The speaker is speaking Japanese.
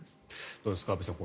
どうですか安部さん